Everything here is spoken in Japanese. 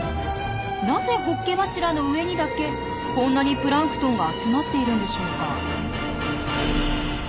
なぜホッケ柱の上にだけこんなにプランクトンが集まっているんでしょうか？